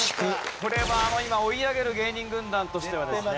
これは今追い上げる芸人軍団としてはですね